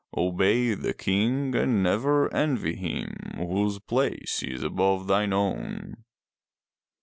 Obey the King and never envy him whose place is above thine own.